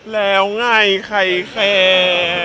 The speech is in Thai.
แล้วไงใครแคร์